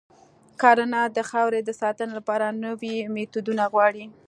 کرنه د خاورې د ساتنې لپاره نوي میتودونه غواړي.